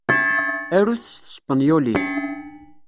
Arut s tespenyulit.